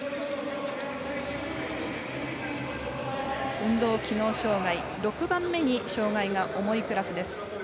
運動機能障がい６番目に障がいが重いクラスです。